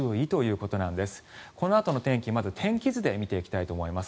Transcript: このあとの天気、まず天気図で見ていきたいと思います。